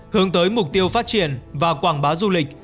hướng tới mục tiêu phát triển và quảng bá du lịch